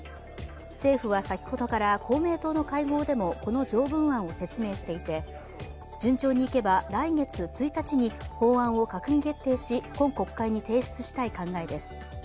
政府は先ほどから公明党の会合でもこの条文案を説明していて順調にいけば来月１日に法案を閣議決定し法案を今国会に提出したい考えです。